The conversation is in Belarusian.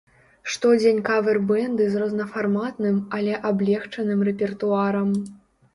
Штодзень кавер-бэнды з рознафарматным, але аблегчаным рэпертуарам.